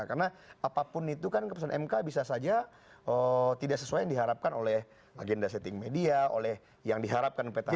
karena apapun itu kan keputusan mk bisa saja tidak sesuai yang diharapkan oleh agenda setting media oleh yang diharapkan petahana